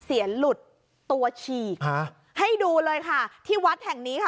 หลุดตัวฉีกฮะให้ดูเลยค่ะที่วัดแห่งนี้ค่ะ